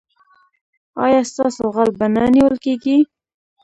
ایا ستاسو غل به نه نیول کیږي؟